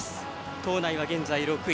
藤内は現在、６位。